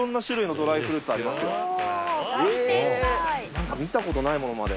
何か見たことないものまで。